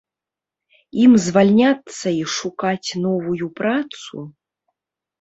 Ім звальняцца і шукаць новую працу?